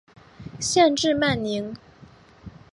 县治曼宁。